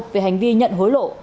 về hành vi nhận hối lộ